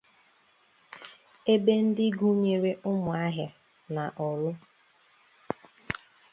Ebe ndị gunyere Umuahia na Orlu.